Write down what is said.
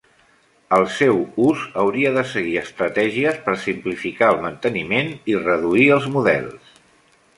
El seu ús hauria de seguir estratègies per simplificar el manteniment i reduir els models.